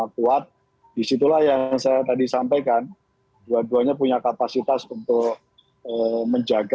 dan itu menjadi sangat rasional